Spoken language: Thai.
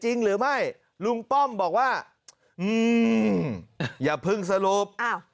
จริงหรือไม่ลุงป้อมบอกว่าอืมอย่าเพิ่งสรุป